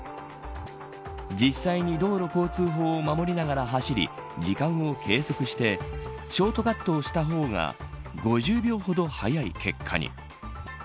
実際に道路交通法を守りながら走り時間を計測してショートカットをした方が５０秒ほど早い結果に。